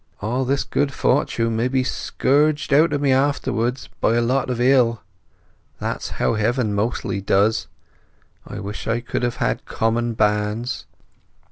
"All this good fortune may be scourged out of me afterwards by a lot of ill. That's how Heaven mostly does. I wish I could have had common banns!"